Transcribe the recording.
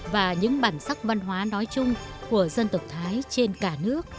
và những bản sắc văn hóa nói chung của dân tộc thái trên cả nước